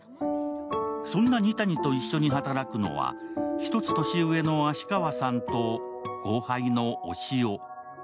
そんな二谷と一緒に働くのは１つ年上の芦川さんと後輩の押尾。